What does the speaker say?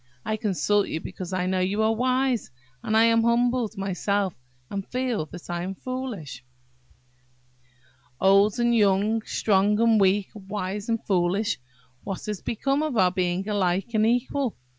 I consult you because I know you are wise; and I am humbled myself, and feel that I am foolish." "Old and young–strong and weak–wise and foolish–what has become of our being alike and equal?